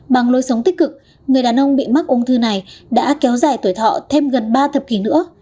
bằng lối sống tích cực người đàn ông bị mắc ung thư này đã kéo dài tuổi thọ thêm gần ba thập kỷ nữa